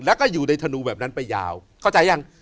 แล้วก็อยู่ในธนูแบบนั้นไปยาวเข้าใจยัง